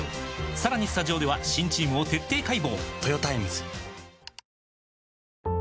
さらにスタジオでは新チームを徹底解剖！